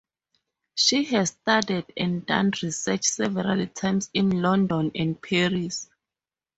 She has studied and done research several times in London and Paris.